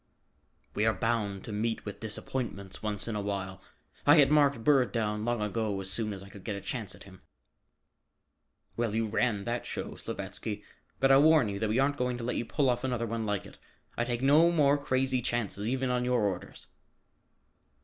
"We are bound to meet with disappointments once in a while. I had marked Bird down long ago as soon as I could get a chance at him." "Well, you ran that show, Slavatsky, but I'll warn you that we aren't going to let you pull off another one like it. I take no more crazy chances, even on your orders."